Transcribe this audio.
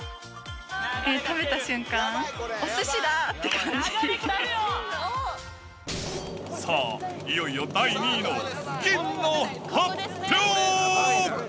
食べた瞬間、さあ、いよいよ第２位の銀の発表。